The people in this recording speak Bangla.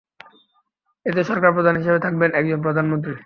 এতে সরকার প্রধান হিসেবে থাকবেন একজন প্রধানমন্ত্রী।